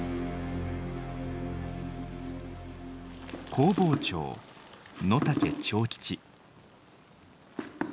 工房長野竹長吉。